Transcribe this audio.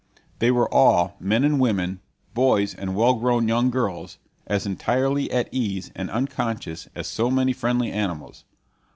They were all, men and women, boys and well grown young girls, as entirely at ease and unconscious as so many friendly animals.